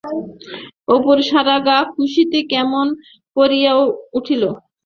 অপুর সারা গা খুশিতে কেমন করিয়া উঠিল।